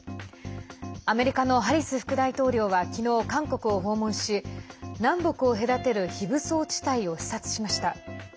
アメリカのハリス副大統領は昨日韓国を訪問し南北を隔てる非武装地帯を視察しました。